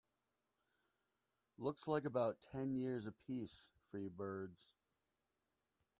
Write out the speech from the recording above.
Looks like about ten years a piece for you birds.